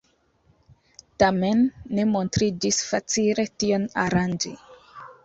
Tamen ne montriĝis facile tion aranĝi.